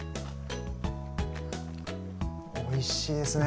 おいしいですね！